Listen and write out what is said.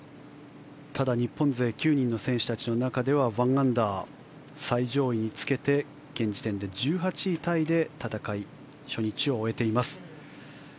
ただ日本勢９人の選手たちの中では１アンダー、最上位につけて現時点で１８位タイで初日を終えています。